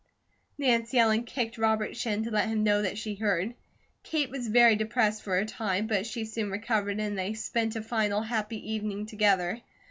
Nancy Ellen kicked Robert's shin, to let him know that she heard. Kate was very depressed for a time, but she soon recovered and they spent a final happy evening together.